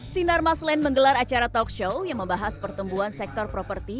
sinar maslan menggelar acara talk show yang membahas pertumbuhan sektor properti